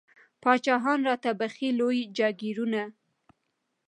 پاچاهان را ته بخښي لوی جاګیرونه